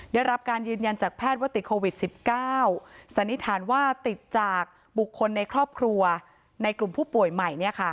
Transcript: ได้รับการยืนยันจากแพทย์ว่าติดโควิด๑๙สันนิษฐานว่าติดจากบุคคลในครอบครัวในกลุ่มผู้ป่วยใหม่